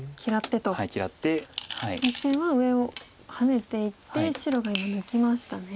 実戦は上をハネていって白が今抜きましたね。